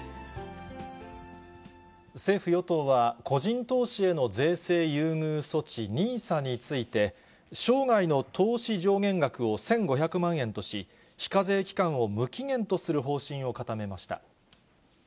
政府・与党は個人投資への税制優遇措置、ＮＩＳＡについて、生涯の投資上限額を１５００万円とし、非課税期間を無期限とする方針を固めました。